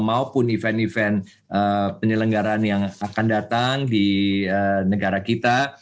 maupun event event penyelenggaraan yang akan datang di negara kita